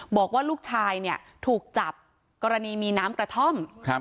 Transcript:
บอกว่าลูกชายเนี่ยถูกจับกรณีมีน้ำกระท่อม